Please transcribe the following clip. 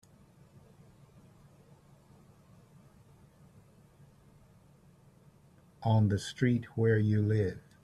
On the street where you live.